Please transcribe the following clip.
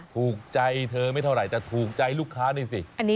ถูกใจเธอไม่เท่าไหร่แต่ถูกใจลูกค้านี่สิ